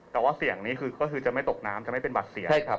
แต่ว่าเสียงนี้คือก็คือจะไม่ตกน้ำจะไม่เป็นบัตรเสียงใช่ครับ